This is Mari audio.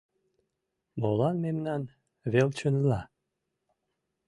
Молан мемнан велчынла?